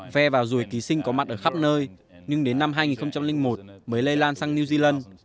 phe và rùi ký sinh có mặt ở khắp nơi nhưng đến năm hai nghìn một mới lây lan sang new zealand